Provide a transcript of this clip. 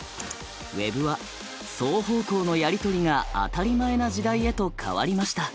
Ｗｅｂは双方向のやり取りが当たり前な時代へと変わりました。